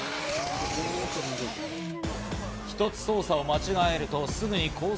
一つ操作を間違えるとすぐにコース